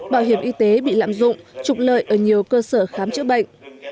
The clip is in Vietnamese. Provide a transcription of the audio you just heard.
bảo hiểm y tế bị lạm dụng trục lợi ở nhiều cơ sở khám chữa bệnh